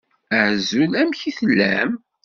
Azul! Amek i tellam?